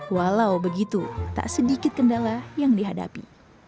walau begitu tak sedikit kendala yang dihadapi